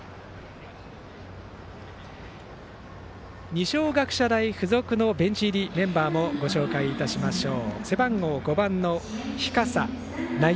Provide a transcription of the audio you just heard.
二松学舎大付属のベンチ入りメンバーもご紹介いたしましょう。